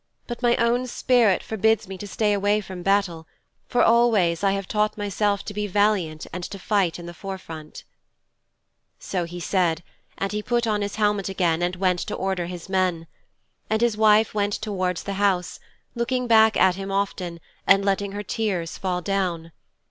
But my own spirit forbids me to stay away from battle, for always I have taught myself to be valiant and to fight in the forefront."' 'So he said and he put on his helmet again and went to order his men. And his wife went towards the house, looking back at him often and letting her tears fall down.